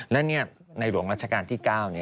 แล้วเนี่ยในหลวงรัชกาลที่๙เนี่ย